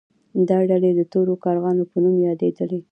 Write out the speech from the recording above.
دا ډلې د تورو کارغانو په نوم یادیدلې.